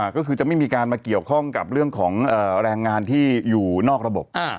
ก็คือจะไม่มีการมาเกี่ยวข้องกับเรื่องของแรงงานที่อยู่นอกระบบ